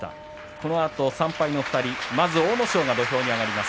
このあと３敗の２人、まず阿武咲が土俵に上がります。